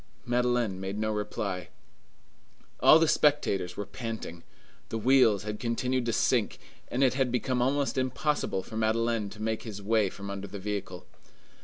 Madeleine made no reply. All the spectators were panting. The wheels had continued to sink, and it had become almost impossible for Madeleine to make his way from under the vehicle.